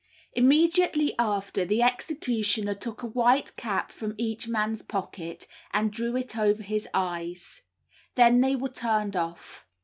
Immediately after, the executioner took a white cap from each man's pocket and drew it over his eyes; then they were turned off.